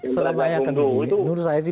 seluruh bayangkundung itu